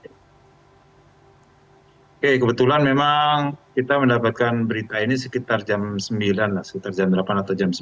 oke kebetulan memang kita mendapatkan berita ini sekitar jam sembilan sekitar jam delapan atau jam sembilan